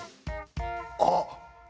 あっ！